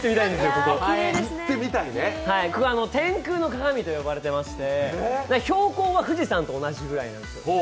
ここは天空の鏡と呼ばれてまして標高は富士山と同じぐらいなんですよ。